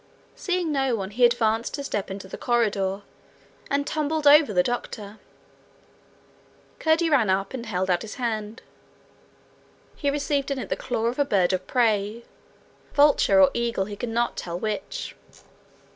Seeing no one, he advanced to step into the corridor, and tumbled over the doctor. Curdie ran up, and held out his hand. He received in it the claw of a bird of prey vulture or eagle, he could not tell which.